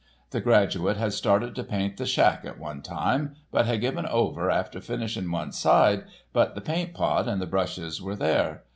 The graduate had started to paint the shack at one time, but had given over after finishing one side, but the paint pot and the brushes were there.